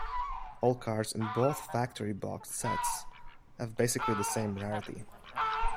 All cards in both factory boxed sets have basically the same rarity.